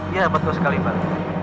iya betul sekali pak